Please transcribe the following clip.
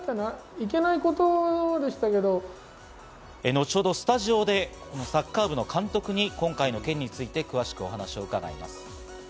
後ほどスタジオでサッカー部の監督に今回の件について詳しくお話を伺います。